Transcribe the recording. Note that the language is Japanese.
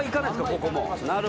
ここも。